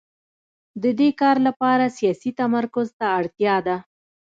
د دې کار لپاره سیاسي تمرکز ته اړتیا ده